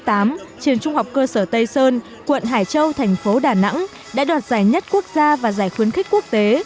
trường trung học cơ sở tây sơn quận hải châu thành phố đà nẵng đã đoạt giải nhất quốc gia và giải khuyến khích quốc tế